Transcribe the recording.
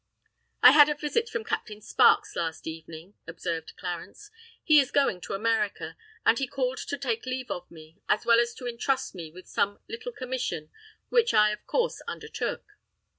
"I had a visit from Captain Sparks last evening," observed Clarence. "He is going to America, and he called to take leave of me, as well as to entrust me with some little commission, which I of course undertook."